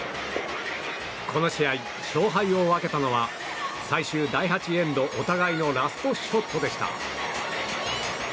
この試合、勝敗を分けたのは最終第８エンドお互いのラストショットでした。